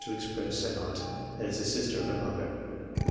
to express an aunt that is the sister of a mother.